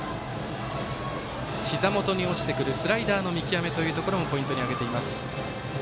ひざ元に落ちてくるスライダーの見極めというところもポイントに挙げています。